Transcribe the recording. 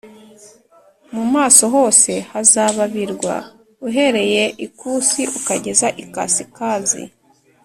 mu maso hose hazababirwa uhereye ikusi ukageza ikasikazi